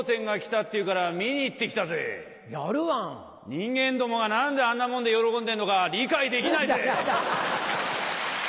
人間どもが何であんなもんで喜んでんのか理解できないぜ！